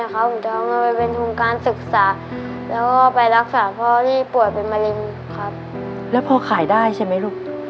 แล้วพอไปรักษาพ่อที่ป่วยเป็นมะเร็งครับแล้วพอขายได้ใช่ไหมลูก